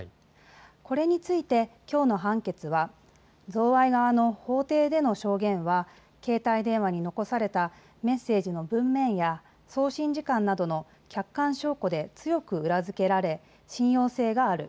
これについてきょうの判決は贈賄側の法廷での証言は携帯電話に残されたメッセージの文面や送信時間などの客観証拠で強く裏付けられ、信用性がある。